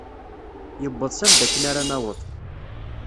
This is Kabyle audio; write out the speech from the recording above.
Yewweḍ s anda akken ara naweḍ.